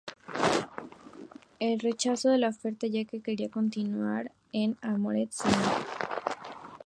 Él rechazó la oferta ya que quería continuar en Armored Saint.